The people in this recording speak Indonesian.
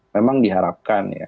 memang diharapkan ya